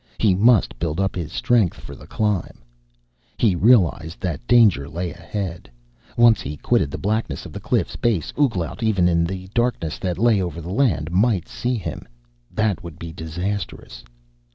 He must build up his strength for the climb. He realized that danger lay ahead. Once he quitted the blackness of the cliff's base, Ouglat, even in the darkness that lay over the land, might see him. That would be disastrous.